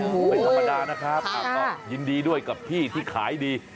ไม่ธรรมดานะครับก็ยินดีด้วยกับพี่ที่ขายดี